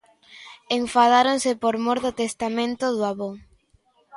Enfadáronse por mor do testamento do avó.